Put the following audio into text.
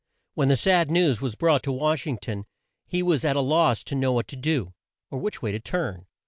When the sad news was brought to Wash ing ton he was at a loss to know what to do, or which way to turn.